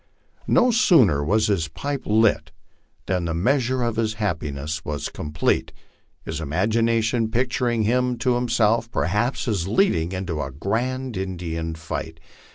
No sooner was his pipe lighted than the measure of his happiness was complete, his imagination picturing him to himself, perhaps, as leading in a grand Indian fight.